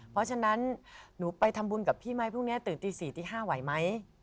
เพราะฉะนั้นหนูไปทำบุญกับพี่ไหมพรุ่งนี้ตื่นตี๔ตี๕ไหวไหม